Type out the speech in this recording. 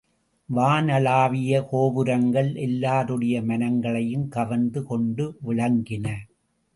வானளாவிய கோபுரங்கள் எல்லாருடைய மனங்களையும் கவர்ந்து கொண்டு விளங்கின.